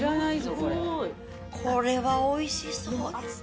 これはおいしそう。